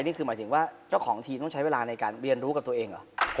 นี่คือหมายถึงว่าเจ้าของทีมต้องใช้เวลาในการเรียนรู้กับตัวเองเหรอ